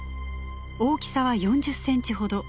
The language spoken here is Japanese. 大きさは４０センチほど。